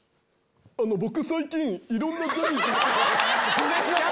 僕最近いろんなジャニーズの方の。